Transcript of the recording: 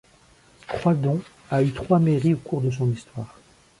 Croydon a eu trois mairies au cours de son histoire.